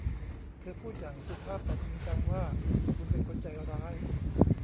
เธอพูดอย่างสุภาพแต่จริงจังว่า คุณเป็นคนใจร้าย